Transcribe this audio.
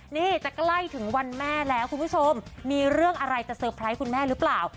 นี่จะใกล้ถึงวันแม่แล้วคุณผู้ชมมีเรื่องอะไรจะเตอร์ไพรส์คุณแม่หรือเปล่า